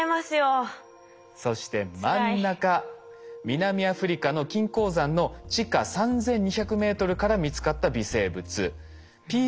南アフリカの金鉱山の地下３，２００ｍから見つかった微生物。